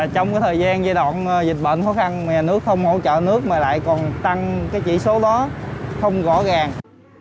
trong thời gian giai đoạn dịch bệnh khó khăn mà nhà nước không hỗ trợ nước mà lại còn tăng cái chỉ số đó không rõ ràng